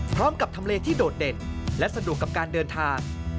พร้อมกับทำเลที่โดดเด่นและสะดวกกับการเดินทาง